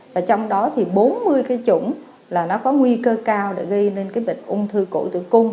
và trong đó thì bốn mươi cái chủng là nó có nguy cơ cao để gây nên cái bệnh ung thư cổ tử cung